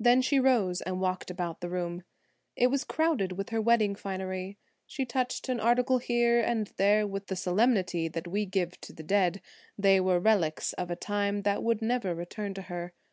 Then she rose and walked about the room; it was crowded with her wedding finery. She touched an article here and there with the solemnity that we give to the dead–they were relics of a time that would never return to her.